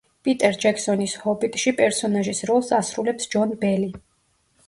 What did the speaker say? პიტერ ჯექსონის „ჰობიტში“ პერსონაჟის როლს ასრულებს ჯონ ბელი.